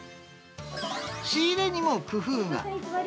仕入れにも工夫が。